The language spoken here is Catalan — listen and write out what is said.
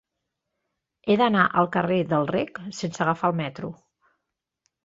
He d'anar al carrer del Rec sense agafar el metro.